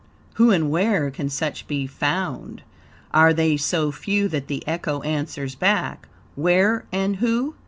Who and where can such be found? Are they so few that the echo answers back "Where and who?"